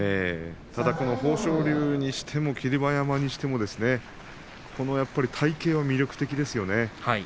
ただ、この豊昇龍にしても霧馬山にしても体形は魅力的ですよね。